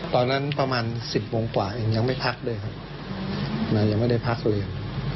ตอนนั้นประมาณ๑๐โมงกว่าเองยังไม่พักด้วยครับยังไม่ได้พักเลย